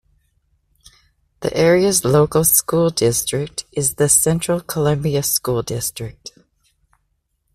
The area's local school district is the Central Columbia School District.